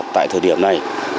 tại thời điểm này